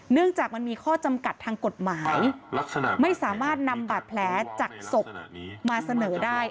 จากมันมีข้อจำกัดทางกฎหมายลักษณะไม่สามารถนำบาดแผลจากศพมาเสนอได้